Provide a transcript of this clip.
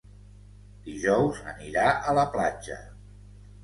Dijous anirà a la platja.